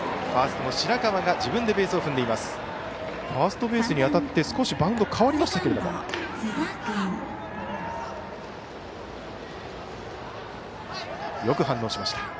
ファーストベースに当たって少しバウンドが変わりました。